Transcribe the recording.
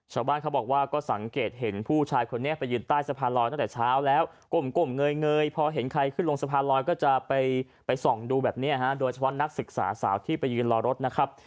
ชาวบ้านเขาบอกว่าก็สังเกตเห็นผู้ชายคนนี้ไปยืนใต้สะพานลอยตั้งแต่เช้าแล้วก้มเงยพอเห็นใครขึ้นลงสะพานลอยก็จะไปส่องดูแบบนี้ฮะโดยเฉพาะนักศึกษาสาวที่ไปยืนรอรถนะครับ